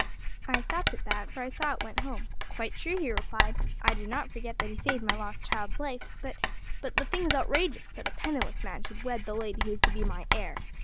I stopped at that, for I saw it went home. `Quite true,' he replied; `I do not forget that he saved my lost child's life; but but the thing is outrageous that a penniless man should wed the lady who is to be my heir!